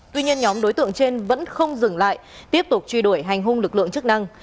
tuy nhiên nhóm đối tượng trên vẫn không dừng lại tiếp tục truy đuổi hành hung lực lượng chức năng